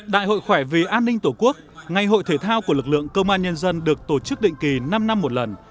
đại hội khỏe vì an ninh tổ quốc ngày hội thể thao của lực lượng công an nhân dân được tổ chức định kỳ năm năm một lần